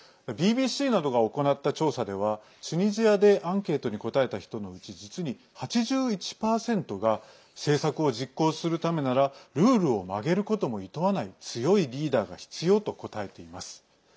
ＢＢＣなどが行った調査ではチュニジアでアンケートに答えた人のうち実に８１％が政策を実行するためならルールを曲げることもいとわない強いリーダーが必要と答えています。